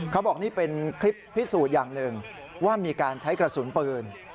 เขาบอกนี่เป็นคลิปพิสูจน์อย่างหนึ่งว่ามีการใช้กระสุนปืน